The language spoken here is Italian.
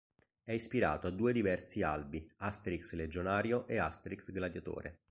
È ispirato a due diversi albi: "Asterix legionario" e "Asterix gladiatore".